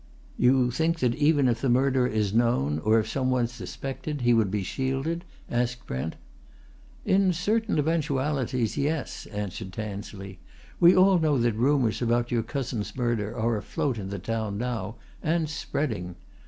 "You think that even if the murderer is known, or if some one suspected, he would be shielded?" asked Brent. "In certain eventualities, yes," answered Tansley. "We all know that rumours about your cousin's murder are afloat in the town now and spreading.